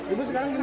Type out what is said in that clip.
ibu sekarang gimana